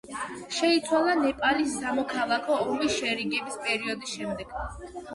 შეიცვალა ნეპალის სამოქალაქო ომის შერიგების პერიოდის შემდეგ.